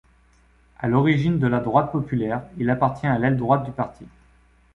À l’origine de La Droite populaire, il appartient à l’aile droite du parti.